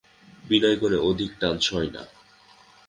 বিনয়গুণে অধিক টান সয় না।